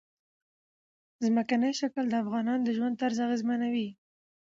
ځمکنی شکل د افغانانو د ژوند طرز اغېزمنوي.